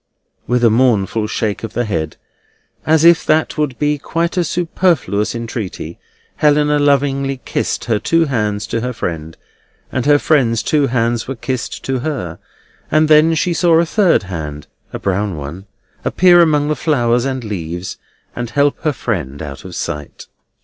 With a mournful shake of the head, as if that would be quite a superfluous entreaty, Helena lovingly kissed her two hands to her friend, and her friend's two hands were kissed to her; and then she saw a third hand (a brown one) appear among the flowers and leaves, and help her friend out of sight.